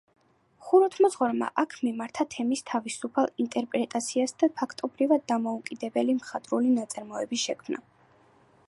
ხუროთმოძღვარმა აქ მიმართა თემის თავისუფალ ინტერპრეტაციას და ფაქტობრივად დამოუკიდებელი მხატვრული ნაწარმოები შექმნა.